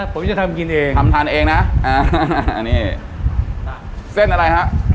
ผมจะทำกินเองทำทานเองนะอ่านี่เส้นอะไรฮะ